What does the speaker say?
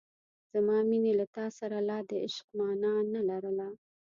زما مینې له تا سره لا د عشق مانا نه لرله.